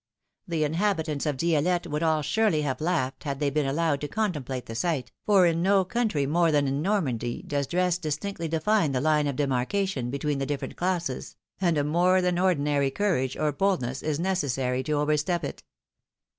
The inhabitants of Di6lette would all surely have laughed had they been allowed to contemplate the sight, for in no country more than in Normandy does dress distinctly define the line of demarcation between the different classes, and a more than ordinary courage or bold ness is necessary to overstep it.